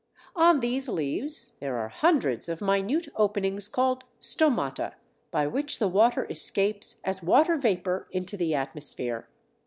On these leaves there are hundreds of minute openings called stomata, by which the water escapes as water vapour into the atmosphere.